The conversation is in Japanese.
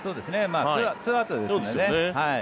２アウトですのでね。